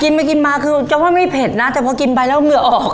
ไปกินมาคือจะว่าไม่เผ็ดนะแต่พอกินไปแล้วเหงื่อออก